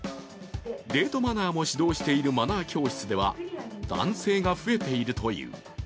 デートマナーも指導しているマナー教室では男性が増えているという。